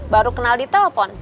baru kenal di telepon